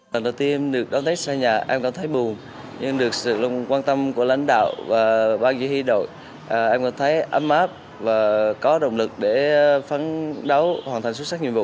lần đầu tiên em được đón tết xa nhà em cảm thấy buồn nhưng được sự lòng quan tâm của lãnh đạo và bao nhiêu hy đội em cảm thấy ấm áp và có động lực để phán đấu hoàn thành xuất sắc nhiệm vụ